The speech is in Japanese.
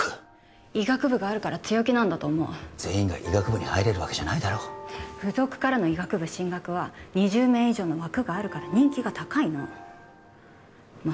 医学部があるから強気なんだと思う全員が医学部に入れるわけじゃないだろ附属からの医学部進学は２０名以上の枠があるから人気が高いのまあ